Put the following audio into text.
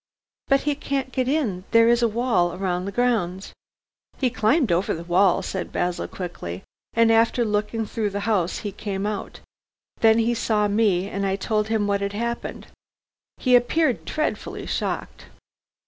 "But he can't get in. There is a wall round the grounds." "He climbed over the wall," said Basil, quickly, "and after looking through the house he came out. Then he saw me, and I told him what had happened. He appeared dreadfully shocked."